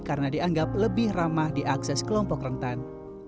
karena dianggap lebih ramah diakses kelompok rentan